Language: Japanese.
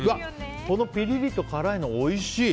このピリリと辛いのがおいしい。